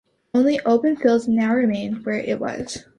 Only open fields now remain where it was.